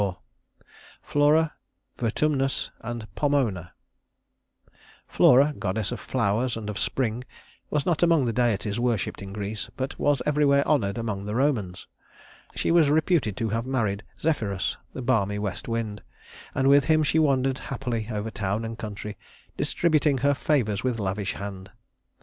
Flora, Vertumnus, and Pomona Flora, goddess of flowers and of spring, was not among the deities worshiped in Greece, but was everywhere honored among the Romans. She was reputed to have married Zephyrus, the balmy west wind, and with him she wandered happily over town and country, distributing her favors with lavish hand.